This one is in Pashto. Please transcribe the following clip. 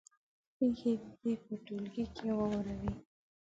پېښې دې په ټولګي کې واوروي.